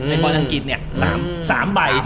ไอ้บอลอังกฤษเนี่ย